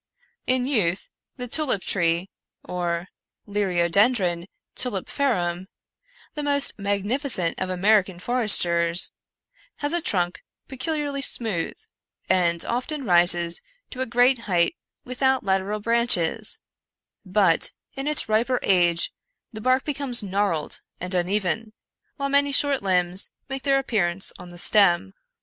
In youth, the tulip tree, or Liriodendron tulipiferum, the most magnificent of American foresters, has a trunk peculiarly smooth, and often rises to a great height without lateral branches ; but, in its riper age, the bark becomes gnarled and uneven, while many short limbs make their appearance on the stem.